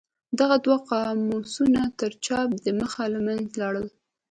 دغه دوه قاموسونه تر چاپ د مخه له منځه لاړل.